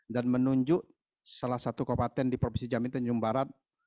dan menunjuk salah satu kabupaten di provinsi jambi tanjung barat